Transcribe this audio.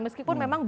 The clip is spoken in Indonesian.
meskipun memang baru